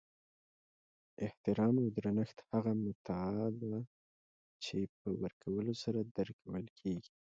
احترام او درنښت هغه متاع ده چی په ورکولو سره درکول کیږي